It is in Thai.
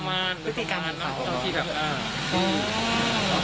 ประมาณประมาณเท่าที่แบบ